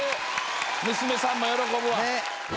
娘さんも喜ぶわ。